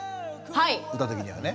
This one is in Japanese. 歌的にはね。